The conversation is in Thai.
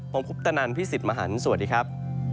ผมคุปตะนันพี่สิทธิ์มหันฯสวัสดีครับ